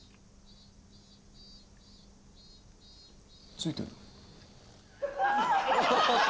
ついてる。